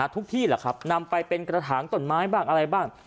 ที่แหละครับนำไปเป็นกระถางต้นไม้บ้างอะไรบ้าง